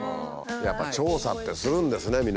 やっぱり調査ってするんですね